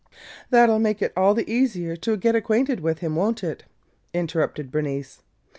"That 'll make it all the easier to get acquainted with him, won't it?" interrupted Bernice.